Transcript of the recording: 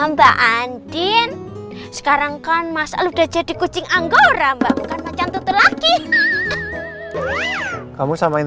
mbak anjin sekarang kan masa udah jadi kucing anggora mbak bukan macan tutul lagi kamu samain